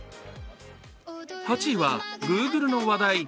８位はグーグルの話題。